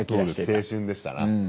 青春でしたな。